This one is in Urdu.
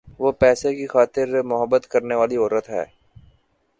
وہ پیسے کی خاطر مُحبت کرنے والی عورت ہے۔`